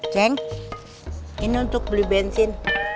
ceng ini untuk beli bensin